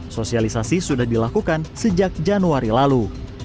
sosialisasi sudah dilakukan sejak januari lalu